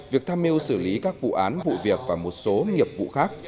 việc tham mưu xử lý các vụ án vụ việc và một số nghiệp vụ khác